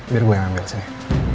biar gue yang ambil saya